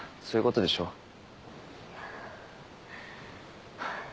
そういうことでしょう？